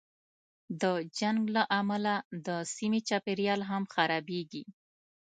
د جنګ له امله د سیمې چاپېریال هم خرابېږي.